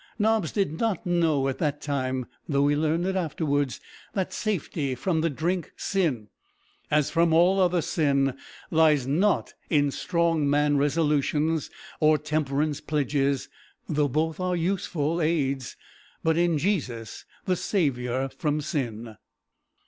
Nobbs did not know at that time, though he learned it afterwards, that safety from the drink sin as from all other sin lies not in strong man resolutions, or Temperance pledges, though both are useful aids, but in Jesus, the Saviour from sin.